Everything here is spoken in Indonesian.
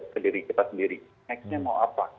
kita sendiri kita sendiri next nya mau apa